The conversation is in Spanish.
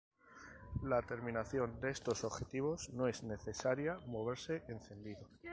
La terminación de estos objetivos no es necesaria moverse encendido.